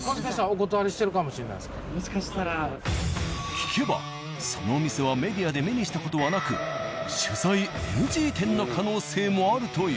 聞けばその店はメディアで目にした事はなく取材ＮＧ店の可能性もあるという。